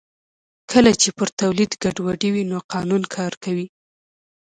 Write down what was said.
کله چې پر تولید ګډوډي وي نو قانون کار کوي